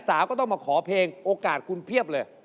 สาวก็ต้องมาขอเพลงโอกาสคุณเพียบเลย